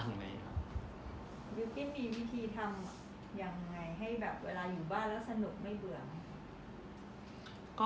บิลกิ้นมีวิธีทำอย่างไรให้เวลาอยู่บ้านแล้วสนุกไม่เบื่อไหมครับ